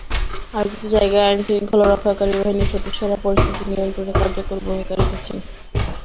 আরও কিছু জায়গায় আইনশৃঙ্খলা রক্ষাকারী বাহিনীর সদস্যরা পরিস্থিতি নিয়ন্ত্রণে কার্যকর ভূমিকা রেখেছেন।